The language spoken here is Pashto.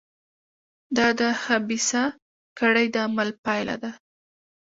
دا د خبیثه کړۍ د عمل پایله ده.